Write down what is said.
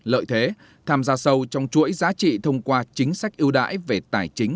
lợi thế tham gia sâu trong chuỗi giá trị thông qua chính sách ưu đãi về tài chính